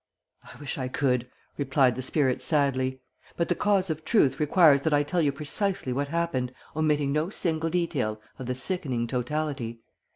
"I wish I could," replied the spirit sadly, "but the cause of truth requires that I tell you precisely what happened, omitting no single detail of the sickening totality.